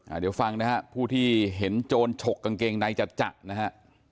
เดี๋ยวฟังนะฮะผู้ที่เห็นโจรฉกกางเกงในจัดจะนะฮะ